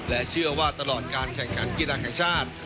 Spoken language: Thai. และเชื่อว่าตลอดการแข่งขันกีฬาแห่งชาติ